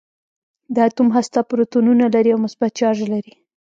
د اتوم هسته پروتونونه لري او مثبت چارج لري.